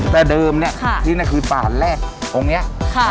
แต่เดิมเนี่ยที่นั่นคือป่านแรกองค์นี้